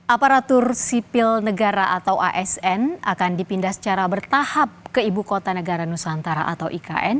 aparatur sipil negara atau asn akan dipindah secara bertahap ke ibu kota negara nusantara atau ikn